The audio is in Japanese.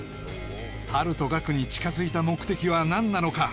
ハルとガクに近づいた目的は何なのか？